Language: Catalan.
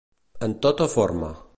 En tota forma.